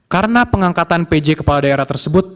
karena pengangkatan pj kepala daerah secara masif